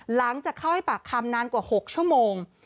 หลังจากเข้าให้ปากคำนานกว่า๖ชั่วโมง